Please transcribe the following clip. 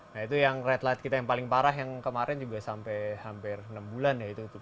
nah itu yang red light kita yang paling parah yang kemarin juga sampai hampir enam bulan ya itu